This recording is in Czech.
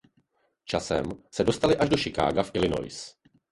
Časem se dostali až do Chicaga v Illinois.